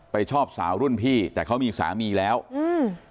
ชอบสาวรุ่นพี่แต่เขามีสามีแล้วอืม